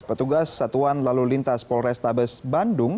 petugas satuan lalu lintas polres tabes bandung